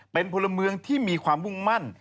เป็นพลเมืองที่มีความมุ่งมั่น